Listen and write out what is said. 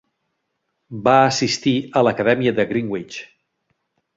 Va assistir a l'Acadèmia de Greenwich.